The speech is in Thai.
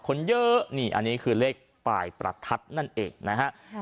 คนเยอะนี่อันนี้คือเลขปลายประทัดนั่นเองนะฮะ